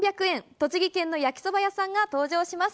栃木県の焼きそば屋さんが登場します。